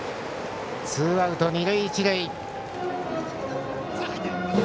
ツーアウト、二塁一塁。